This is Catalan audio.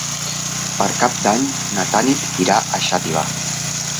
Per Cap d'Any na Tanit irà a Xàtiva.